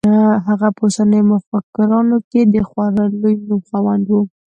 هغه په اوسنیو مفکرانو کې د خورا لوی نوم خاوند دی.